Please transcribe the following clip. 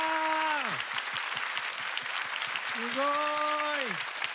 すごい！